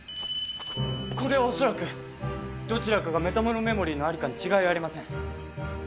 これはおそらくどちらかがメタモルメモリーのありかに違いありません。